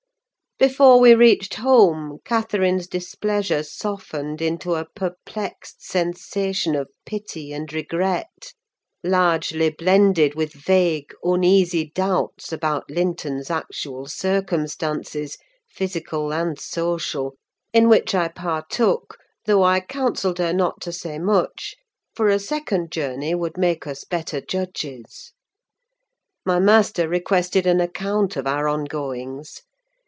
Before we reached home, Catherine's displeasure softened into a perplexed sensation of pity and regret, largely blended with vague, uneasy doubts about Linton's actual circumstances, physical and social: in which I partook, though I counselled her not to say much; for a second journey would make us better judges. My master requested an account of our ongoings.